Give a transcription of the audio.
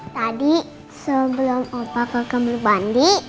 tadi sebelum opa ke kamar bandi